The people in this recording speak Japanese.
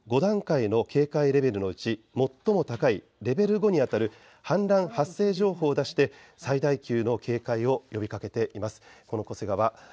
国土交通省筑後川河川事務所は午前７時２０分、５段階の警戒レベルのうち最も高いレベル５にあたる氾濫発生情報を出して最大級の警戒を呼びかけています。